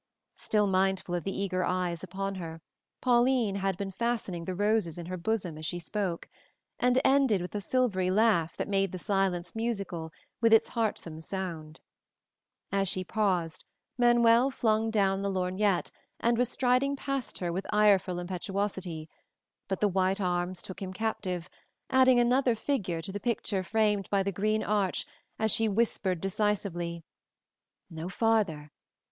Still mindful of the eager eyes upon her, Pauline had been fastening the roses in her bosom as she spoke, and ended with a silvery laugh that made the silence musical with its heartsome sound. As she paused, Manuel flung down the lorgnette and was striding past her with ireful impetuosity, but the white arms took him captive, adding another figure to the picture framed by the green arch as she whispered decisively, "No farther!